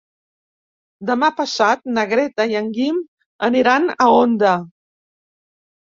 Demà passat na Greta i en Guim aniran a Onda.